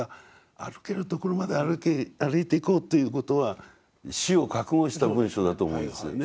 歩けるところまで歩いていこうということは死を覚悟した文章だと思うんですよね。